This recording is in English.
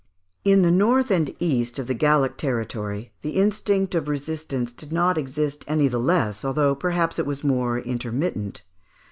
In the north and east of the Gallic territory, the instinct of resistance did not exist any the less, though perhaps it was more intermittent.